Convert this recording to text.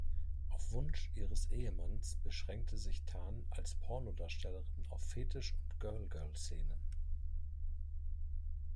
Auf Wunsch ihres Ehemanns beschränkte sich Tan als Pornodarstellerin auf Fetisch- und Girl-Girl-Szenen.